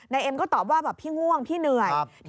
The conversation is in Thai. เอ็มก็ตอบว่าแบบพี่ง่วงพี่เหนื่อย